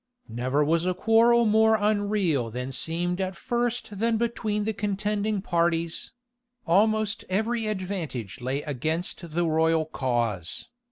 Never was a quarrel more unreal than seemed at first than between the contending parties: almost every advantage lay against the royal cause.